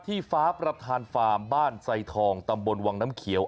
ฟ้าประธานฟาร์มบ้านไซทองตำบลวังน้ำเขียว